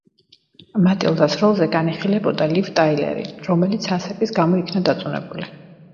მატილდას როლზე განიხილებოდა ლივ ტაილერი, რომელიც ასაკის გამო იქნა დაწუნებული.